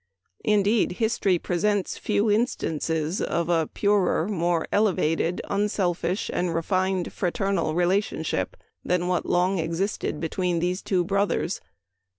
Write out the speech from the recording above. Indeed, history presents few instances of a purer, more elevated, unselfish and refined fraternal relationship than what long existed between these two brothers.